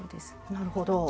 なるほど。